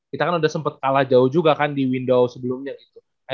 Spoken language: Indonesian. kita kan udah sempat kalah jauh juga kan di window sebelumnya gitu